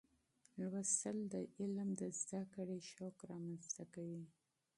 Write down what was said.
مطالعه د علم د زده کړې شوق رامنځته کوي.